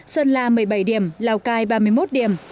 sơn la một mươi bảy điểm lào cai ba mươi một điểm